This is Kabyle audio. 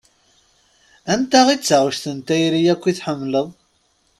Anita i d taɣect n tayri akk i tḥemmleḍ?